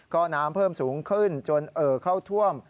ก็น้ำเพิ่มสูงขึ้นจนเอ่อเข้าท่วม